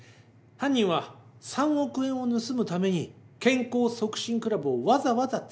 犯人は３億円を盗むために健康促進クラブをわざわざつくったんだ。